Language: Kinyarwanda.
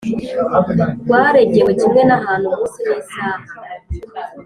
Rwaregewe kimwe n ahantu umunsi n isaha